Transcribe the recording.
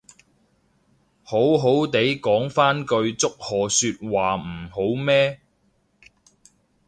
好好哋講返句祝賀說話唔好咩